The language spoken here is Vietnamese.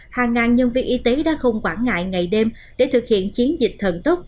hàng ngàn nhân viên y tế đã không quản ngại ngày đêm để thực hiện chiến dịch thần tốc